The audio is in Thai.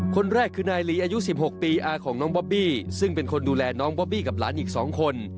คนแรกคือนายลีอายุ๑๖ปีอาของน้องบอบบี้ซึ่งเป็นคนดูแลน้องบอบบี้กับหลานอีก๒คน